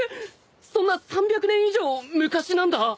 そんな３００年以上昔なんだ！